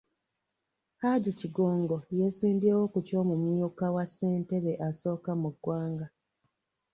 Hajji Kigongo yeesimbyewo ku ky’omumyuka wa Ssentebe asooka mu ggwanga.